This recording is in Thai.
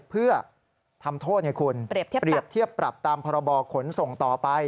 เพื่อทำโทษให้คุณเปรียบเทียบปรับตามพรบขนส่งต่อไป